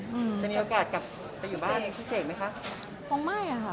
จะมีโอกาสกลับไปอยู่บ้านในชีวิตเองไหมคะ